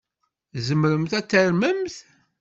Tzemremt ad tarmemt?